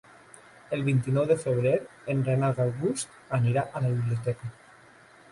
El vint-i-nou de febrer en Renat August anirà a la biblioteca.